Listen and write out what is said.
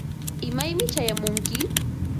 ¿imaymi chayamunki?